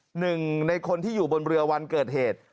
หนึ่งในคนที่อยู่บนเรือวันเกิดเหตุ